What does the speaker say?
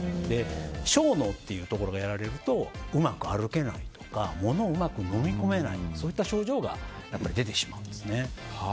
小脳というところがやられるとうまく歩けないとかものをうまく飲み込めないといった症状が出てしまうんですね。